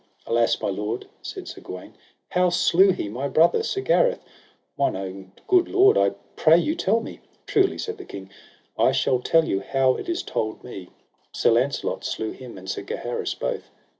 Alas, my lord, said Sir Gawaine, how slew he my brother, Sir Gareth? Mine own good lord I pray you tell me. Truly, said the king, I shall tell you how it is told me, Sir Launcelot slew him and Sir Gaheris both.